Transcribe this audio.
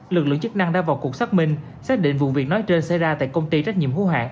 lực lượng chức năng đã vào cuộc xác minh xác định vụ việc nói trên xảy ra tại công ty trách nhiệm hữu hạng